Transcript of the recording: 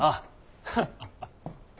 ハハハ。